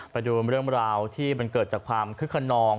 ไปดูเรื่องราวที่มันเกิดจากความคึกขนอง